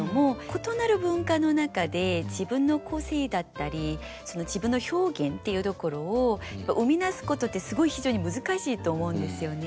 異なる文化の中で自分の個性だったり自分の表現っていうところを生み出すことってすごい非常に難しいと思うんですよね。